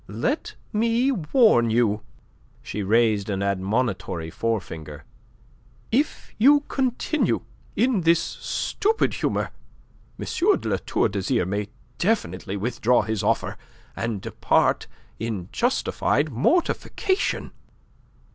Let me warn you." She raised an admonitory forefinger. "If you continue in this stupid humour M. de La Tour d'Azyr may definitely withdraw his offer and depart in justified mortification."